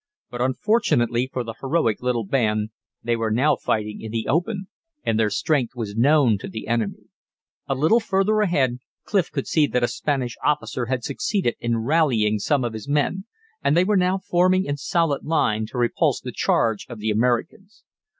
But, unfortunately for the heroic little band, they were now fighting in the open, and their strength was known to the enemy. A little further ahead Clif could see that a Spanish officer had succeeded in rallying some of his men, and they were now forming in solid line to repulse the charge of the Americans.